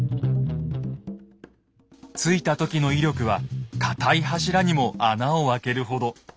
突いた時の威力は堅い柱にも穴を開けるほど。